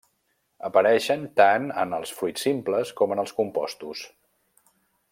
Apareixen tant en els fruits simples com en els compostos.